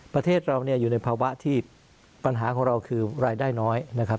ประเทศเราอยู่ในภาวะที่ปัญหาของเราคือรายได้น้อยนะครับ